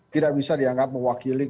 tidak bisa dianggap mewakili